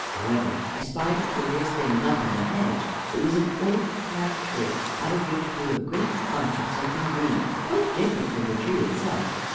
However, I spied a curious thing enough in the hedge. It was an old crab tree, out of which grew a great bunch of something green, quite different from the tree itself.